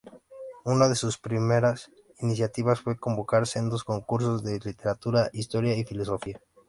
Una de sus primeras iniciativas fue convocar sendos concursos de literatura, historia y filosofía.